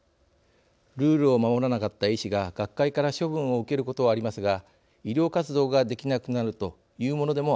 ルールを守らなかった医師が学会から処分を受けることはありますが医療活動ができなくなるというものでもありません。